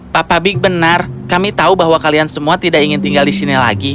pak pabik benar kami tahu bahwa kalian semua tidak ingin tinggal di sini lagi